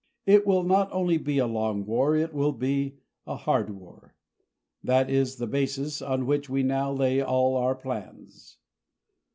It will not only be a long war, it will be a hard war. That is the basis on which we now lay all our plans.